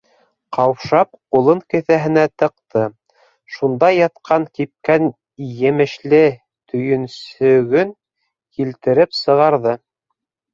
Ҡаушап, ҡулын кеҫәһенә тыҡты — шунда ятҡан кипкән емешле төйөнсөгөн килтереп сығарҙы.